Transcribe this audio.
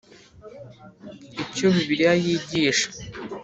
Icyo Bibiliya yigisha